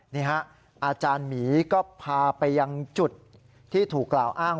นี่ฮะอาจารย์หมีก็พาไปยังจุดที่ถูกกล่าวอ้าง